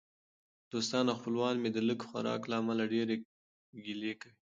دوستان او خپلوان مې د لږ خوراک له امله ډېرې ګیلې کوي.